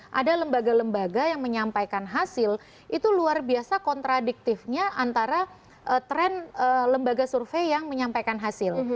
nah ada lembaga lembaga yang menyampaikan hasil itu luar biasa kontradiktifnya antara tren lembaga survei yang menyampaikan hasil